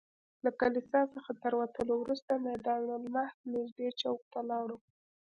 له کلیسا څخه تر وتلو وروسته میدان المهد نږدې چوک ته لاړو.